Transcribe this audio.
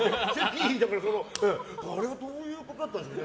あれはどういうことだったんですかね。